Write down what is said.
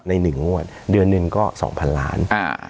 ใน๑งวดเดือนหนึ่งก็๒๐๐๐ล้าน